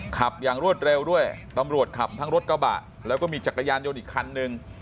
ขับอย่างรวดเร็วด้วยตำรวจขับทั้งรถกระบะแล้วก็มีจักรยานยนต์อีกคันนึง